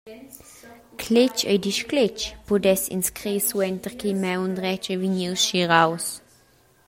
«Cletg el discletg» pudess ins crer suenter ch’il maun dretg ei vegnius schiraus.